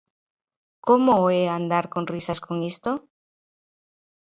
Como o é andar con risas con isto.